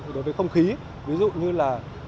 đối với không khí ví dụ như là